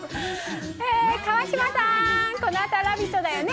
川島さん、このあとは「ラヴィット！」だよね？